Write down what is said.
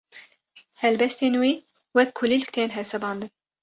helbestên wî wek kulîlk tên hesibandin